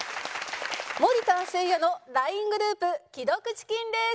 森田・せいやのＬＩＮＥグループ既読チキンレース！